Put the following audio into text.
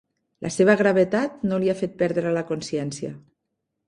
La seva gravetat no li ha fet perdre la consciència.